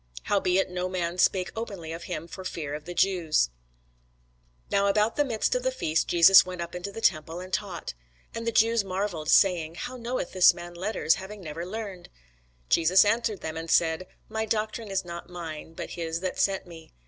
Howbeit no man spake openly of him for fear of the Jews. [Sidenote: St. John 7] Now about the midst of the feast Jesus went up into the temple, and taught. And the Jews marvelled, saying, How knoweth this man letters, having never learned? Jesus answered them, and said, My doctrine is not mine, but his that sent me.